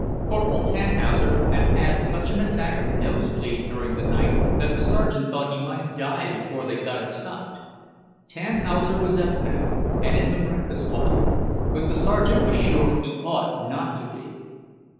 Corporal Tannhauser had had such an attack of nose bleed during the night that the sergeant thought he might die before they got it stopped. Tannhauser was up now, and in the breakfast line, but the sergeant was sure he ought not to be.